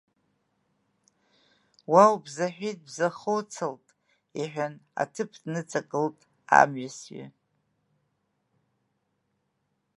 Уа убзаҳәит, бза хоуцалт, — иҳәан, аҭыԥ дныҵагылт, амҩасҩы.